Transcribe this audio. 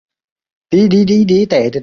瓦兹省是法国皮卡迪大区所辖的省份。